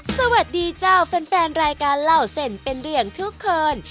สวัสดีเจ้าแฟนรายการเล่าเส้นเป็นเรื่องทุกคน